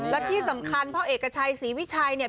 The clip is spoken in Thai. และที่สำคัญพ่อเอกกับชายสีพี่ชายเนี่ย